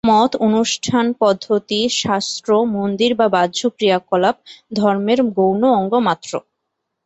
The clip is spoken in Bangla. মত, অনুষ্ঠান-পদ্ধতি, শাস্ত্র, মন্দির বা বাহ্য ক্রিয়াকলাপ ধর্মের গৌণ অঙ্গ মাত্র।